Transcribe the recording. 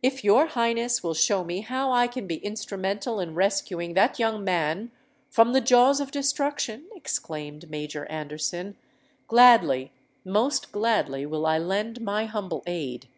"If your Highness will show me how I can be instrumental in rescuing that young man from the jaws of destruction," exclaimed Major Anderson, "gladly—most gladly will I lend my humble aid."